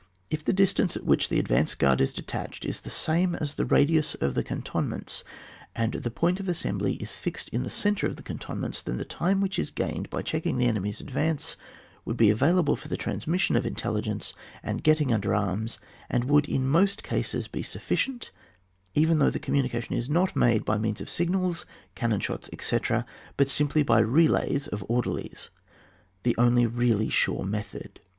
If the distance at which the advanced guard is detached is the same as the radiua of the cantonmenta, and the point of assembly is fixed in the centre of the cantonments, the time which is gained by checking the enemy's advance would be av^Uble for the trans mission of intelligence and getting under arms, and would in most cases he sufK cient, even although the communication is not made by means of signals, cannon shots, etc., but simply by relays of order lies, the only really sure method.